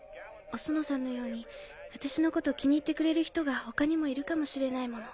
おソノさんのように私のこと気に入ってくれる人が他にもいるかもしれないもの。